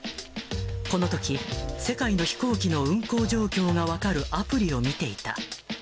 このとき、世界の飛行機の運航状況が分かるアプリを見ていた。